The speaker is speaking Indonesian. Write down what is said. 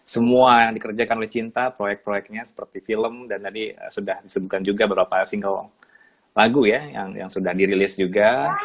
semua yang dikerjakan oleh cinta proyek proyeknya seperti film dan tadi sudah disebutkan juga beberapa single lagu ya yang sudah dirilis juga